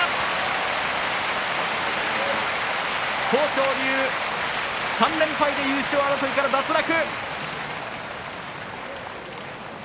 豊昇龍、３連敗優勝争いから脱落。